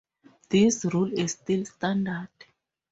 This rule is still standard.